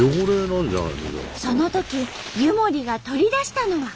そのとき湯守が取り出したのは。